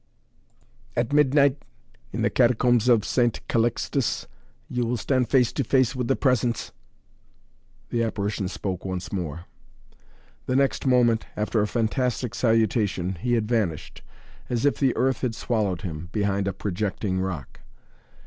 "At midnight in the Catacombs of St. Calixtus you will stand face to face with the Presence," the apparition spoke once more. The next moment, after a fantastic salutation, he had vanished, as if the earth had swallowed him, behind a projecting rock.